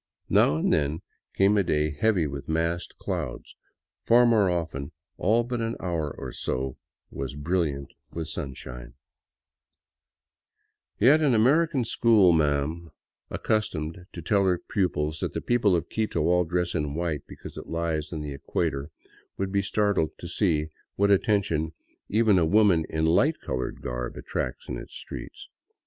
Now and then came a day heavy with massed clouds ; far more often all but an hour or so was brilliant with sunshine. 133 VAGABONDING DOWN THE ANDES Yet an American schoolma'am accustomed to tell her pupils that the people of Quito all dress in white because it lies on the equator, would be startled to see what attention even a woman in light colored garb attracts in its streets.